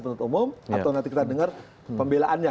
penuntut umum atau nanti kita dengar pembelaannya